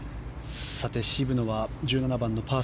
渋野は１７番のパー